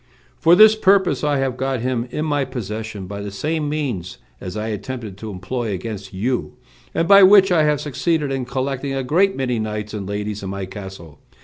"For this purpose I have got him in my possession by the same means as I attempted to employ against you; and by which I have succeeded in collecting a great many knights and ladies in my castle.